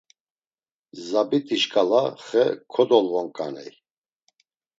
Zabit̆i şǩala xe kodolvonǩaney.